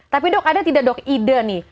tapi dok ada tidak dok ide nih